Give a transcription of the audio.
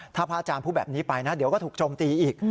ถ้าพระอาจารย์พูดแบบนี้ไปนะเดี๋ยวก็ถูกโจมตีอีก